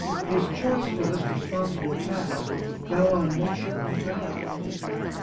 His choice for this responsible task fell on Mid shipman Farragut.